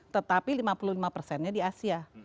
tetapi lima puluh lima persennya di asia